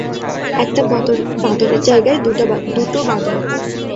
একটা বঁদরের জায়গায় দুটো বাঁদর।